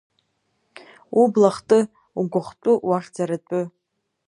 Убла хты, угәахәтәы уахьӡаратәы.